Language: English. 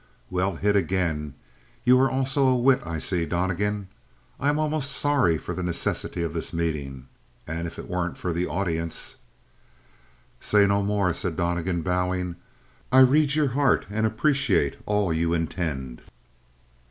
"Well hit again! You are also a wit, I see! Donnegan, I am almost sorry for the necessity of this meeting. And if it weren't for the audience " "Say no more," said Donnegan, bowing. "I read your heart and appreciate all you intend."